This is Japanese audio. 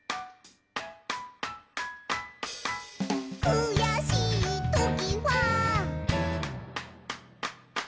「くやしいときは」